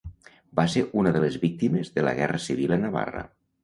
Va ser una de les víctimes de la Guerra Civil a Navarra.